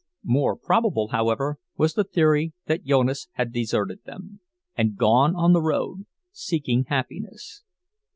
More probable, however, was the theory that Jonas had deserted them, and gone on the road, seeking happiness.